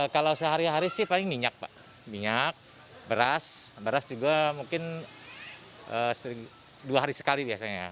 kalau sehari hari sih paling minyak pak minyak beras beras juga mungkin dua hari sekali biasanya